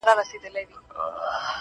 پربت باندي يې سر واچوه_